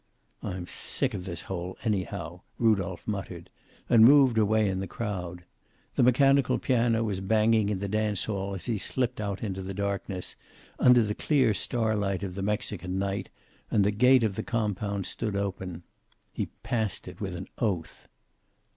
"I'm sick of this hole, anyhow," Rudolph muttered, and moved away in the crowd. The mechanical piano was banging in the dance hall as he slipped out into the darkness, under the clear starlight of the Mexican night, and the gate of the compound stood open. He passed it with an oath.